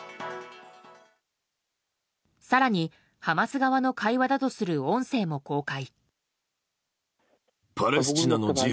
更に、ハマス側の会話だとする音声も公開。